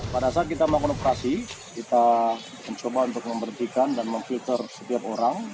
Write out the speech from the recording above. pada saat kita melakukan operasi kita mencoba untuk memberhentikan dan memfilter setiap orang